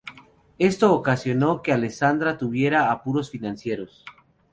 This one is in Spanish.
Esto ocasionó que Alessandra tuviera apuros financieros.